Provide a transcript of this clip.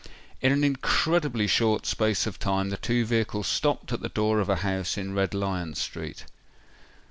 In an incredibly short space of time, the two vehicles stopped at the door of a house in Red Lion Street.